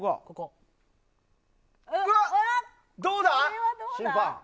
どうだ？